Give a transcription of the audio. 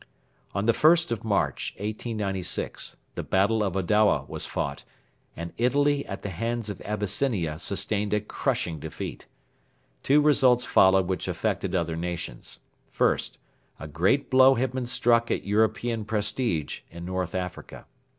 On the 1st of March, 1896, the battle of Adowa was fought, and Italy at the hands of Abyssinia sustained a crushing defeat. Two results followed which affected other nations. First, a great blow had been struck at European prestige in North Africa.